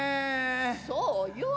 そうよ。